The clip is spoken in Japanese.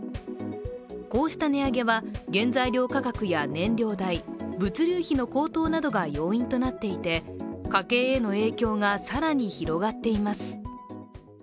こうした値上げは、原材料価格や燃料代、物流費の高騰などが要因となっていて家計への影響が更に広がっています。